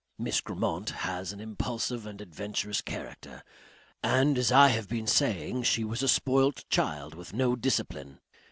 Miss Grammont has an impulsive and adventurous character. And as I have been saying she was a spoilt child, with no discipline....